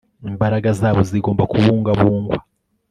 imbaraga zabo zigomba kubungwabungwa